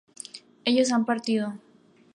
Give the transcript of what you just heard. ellos han partido